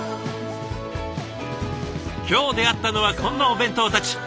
今日出会ったのはこんなお弁当たち。